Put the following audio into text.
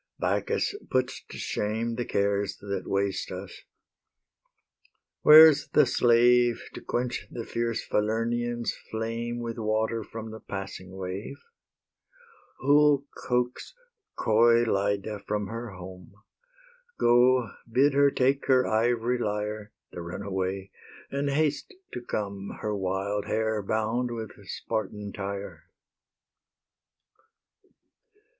Bacchus puts to shame The cares that waste us. Where's the slave To quench the fierce Falernian's flame With water from the passing wave? Who'll coax coy Lyde from her home? Go, bid her take her ivory lyre, The runaway, and haste to come, Her wild hair bound with Spartan tire.